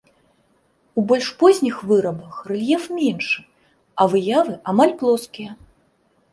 У больш позніх вырабах рэльеф меншы, а выявы амаль плоскія.